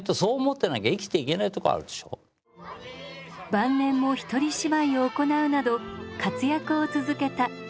晩年も一人芝居を行うなど活躍を続けた高見のっぽさん。